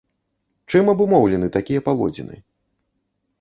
Чым абумоўлены такія паводзіны?